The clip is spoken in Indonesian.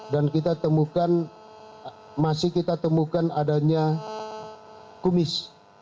dan kita temukan masih kita temukan adanya kumis